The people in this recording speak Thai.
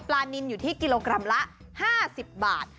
นินอยู่ที่กิโลกรัมละ๕๐บาท